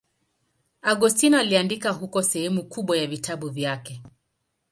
Agostino aliandika huko sehemu kubwa ya vitabu vyake.